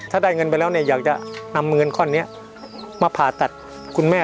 ถ้าได้เงินไปแล้วเนี่ยอยากจะนำเงินก้อนนี้มาผ่าตัดคุณแม่